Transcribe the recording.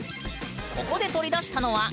ここで取り出したのは何？